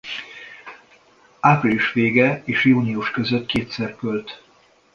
Április vége és június között kétszer költ.